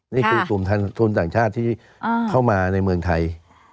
นี่คือกลุ่มทุนต่างชาติที่เข้ามาในเมืองไทย